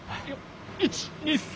１２３。